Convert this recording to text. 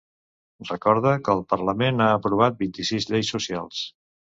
Recorda que el parlament ha aprovat vint-i-sis lleis socials.